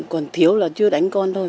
còn thiếu là chưa đánh con thôi